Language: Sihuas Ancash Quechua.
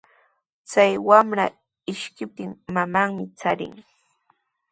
Chay wamra ishkiptin mamanmi shaarichin.